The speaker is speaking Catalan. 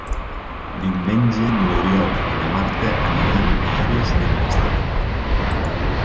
Diumenge n'Oriol i na Marta aniran a Ares del Maestrat.